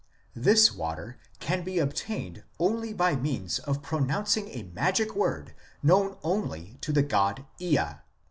This water can be obtained only by means of pronouncing a magic word known only to the god Ea.